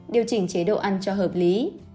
điều chỉnh chế độ ăn cho hợp lý